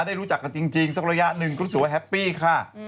ได้รู้จักกันจริงสักระยะหนึ่งก็รู้สึกว่าแฮปปี้ค่ะ